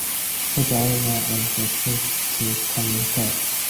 He is the owner of the Things to Come Records.